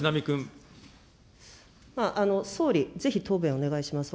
総理、ぜひ答弁をお願いします。